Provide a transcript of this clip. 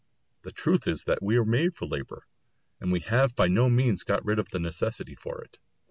The truth is that we are made for labour, and we have by no means got rid of the necessity for it.